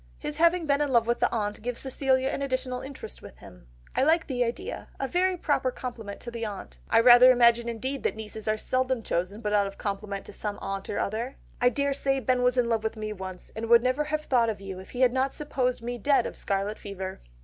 His having been in love with the aunt gives Cecilia an additional interest with him. I like the idea, a very proper compliment to an aunt! I rather imagine indeed that nieces are seldom chosen but out of compliment to some aunt or other. I daresay Ben was in love with me once, and would never have thought of you if he had not supposed me dead of scarlet fever."